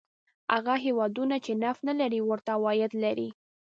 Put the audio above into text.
هغه هېوادونه چې نفت نه لري ورته عواید لري.